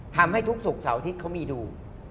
ทำให้ทุกศุกร์เสาร์อาทิตย์เขามีดู